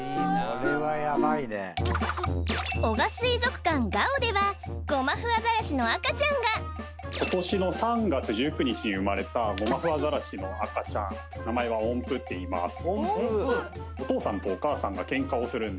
これはやばいねではゴマフアザラシの赤ちゃんが今年の３月１９日に生まれたゴマフアザラシの赤ちゃん名前はおんぷっていいます